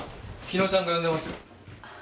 日野さんが呼んでますよ。